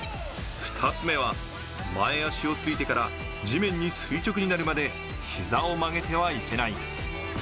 ２つ目は、前足をついてから地面に垂直になるまで膝を曲げてはいけない。